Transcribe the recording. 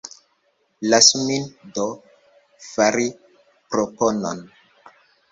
Lasu min, do, fari proponon.